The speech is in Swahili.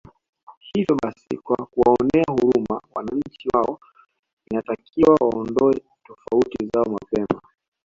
Hivo basi kwa kuwaonea huruma wananchi wao inatakiwa waondoe tofauti zao mapema